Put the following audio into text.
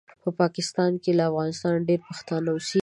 په پاکستان کې له افغانستانه ډېر پښتانه اوسیږي